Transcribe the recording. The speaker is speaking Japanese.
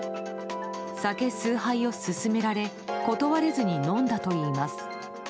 酒数杯を勧められ断れずに飲んだといいます。